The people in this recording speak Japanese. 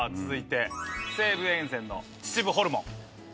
続いて西武沿線の秩父ホルモン。